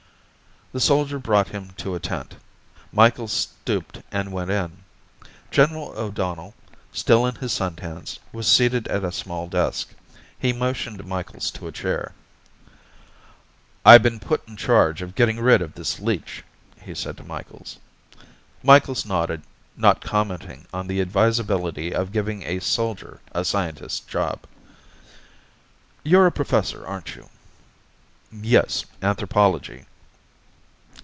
The soldier brought him to a tent. Micheals stooped and went in. General O'Donnell, still in suntans, was seated at a small desk. He motioned Micheals to a chair. "I've been put in charge of getting rid of this leech," he said to Micheals. Micheals nodded, not commenting on the advisability of giving a soldier a scientist's job. "You're a professor, aren't you?" "Yes. Anthropology."